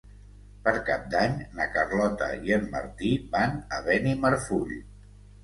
Per Cap d'Any na Carlota i en Martí van a Benimarfull.